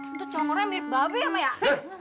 itu congkoren mirip babi ya mak